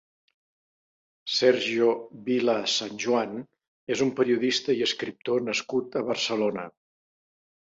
Sergio Vila-Sanjuán és un periodista i escriptor nascut a Barcelona.